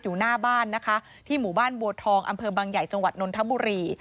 อยู่หน้าบ้านที่หมู่บ้านบัวทองอำเภอบังไยจนนทบุรี